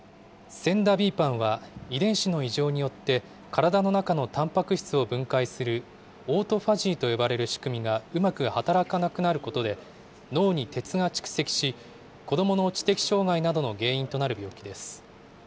ＳＥＮＤＡ／ＢＰＡＮは遺伝子の異常によって体の中のたんぱく質を分解するオートファジーと呼ばれる仕組みがうまく働かなくなることで、脳に鉄が蓄積し、子どもの知的障害などの原因となる病気です。